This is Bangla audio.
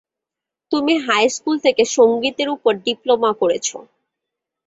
তুমি হাই স্কুল থেকে সঙ্গীতের উপর ডিপ্লোমা করেছ।